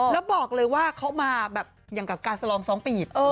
แล้วบอกเลยว่าเขามาแบบอย่างกับการสลอง๒ปี